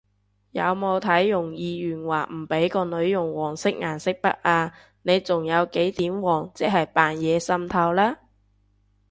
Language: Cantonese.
有冇睇容議員話唔畀個女用黃色顏色筆啊？你仲有幾點黃即係扮嘢滲透啦！？